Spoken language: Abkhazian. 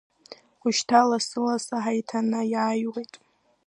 Ушьҭан лассы-лассы ҳаиҭанеиааиуеит.